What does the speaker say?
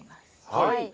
はい。